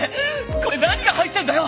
これ何が入ってんだよ！